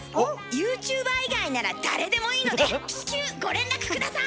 ユーチューバー以外なら誰でもいいので至急ご連絡下さい！